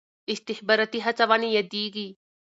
استخباراتي هڅونې یادېږي.